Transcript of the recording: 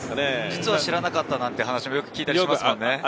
実は知らなかったなんていう話もよく聞いたりしますね。